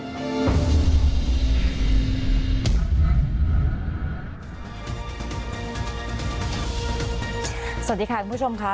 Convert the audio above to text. สวัสดีความทุกท่านผู้ชมค่ะ